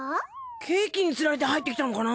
ケーキにつられて入ってきたのかな？